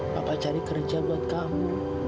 bapak cari kerja buat kamu